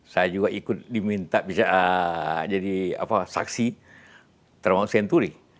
saya juga ikut diminta bisa jadi saksi termasuk senturi